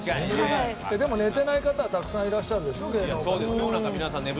でも、寝てない方はたくさんいらっしゃるでしょ芸能界は。